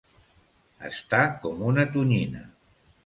Estar com una tonyina.